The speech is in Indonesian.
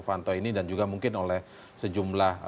fanto ini dan juga mungkin oleh sejumlah